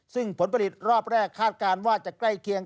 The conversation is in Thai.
ซึ่งผลผลิตรอบแรกคาดการณ์ว่าจะใกล้เคียง